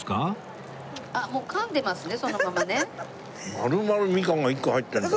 丸々みかんが１個入ってるんだ。